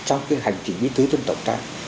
trong cái hành trình ý tứ dân tộc ta